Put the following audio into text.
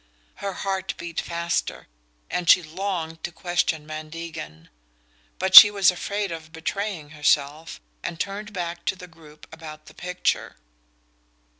Her heart beat faster, and she longed to question Van Degen; but she was afraid of betraying herself, and turned back to the group about the picture.